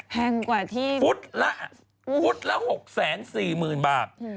แพงกว่าที่ฟุตละฟุตละ๖๔๐๐๐บาท